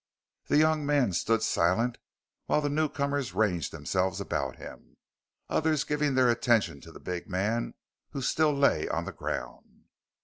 The young man stood silent while the newcomers ranged themselves about him, others giving their attention to the big man who still lay on the ground.